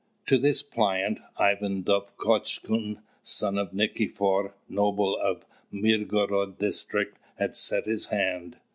"To this plaint, Ivan Dovgotchkun, son of Nikifor, noble of the Mirgorod district, has set his hand."